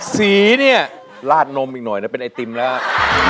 สีเนี่ยลาดนมอีกหน่อยแล้วเป็นไอติมแล้วครับ